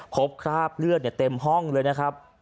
คราบเลือดเต็มห้องเลยนะครับ